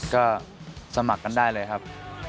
ก็สมัครกันได้เลยครับ